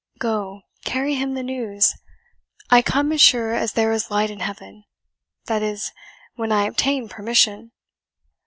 Go, carry him the news; I come as sure as there is light in heaven that is, when I obtain permission."